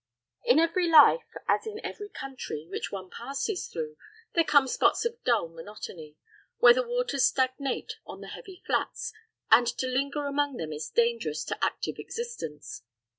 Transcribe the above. In every life, as in every country which one passes through, there come spots of dull monotony, where the waters stagnate on the heavy flats, and to linger among them is dangerous to active existence.